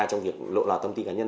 trong việc lộ lo tâm tin cá nhân